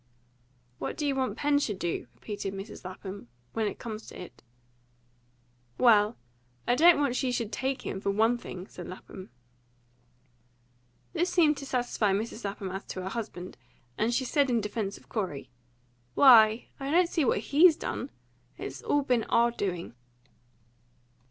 "What do you want Pen should do," repeated Mrs. Lapham, "when it comes to it?" "Well, I don't want she should take him, for ONE thing," said Lapham. This seemed to satisfy Mrs. Lapham as to her husband, and she said in defence of Corey, "Why, I don't see what HE'S done. It's all been our doing."